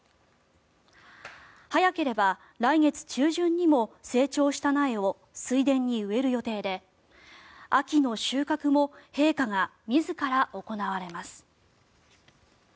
早ければ来月中旬にも成長した苗を水田に植える予定で秋の収穫も陛下が自ら行われます。